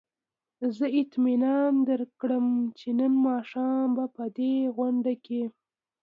زه اطمینان درکړم چې نن ماښام به په دې غونډه کې.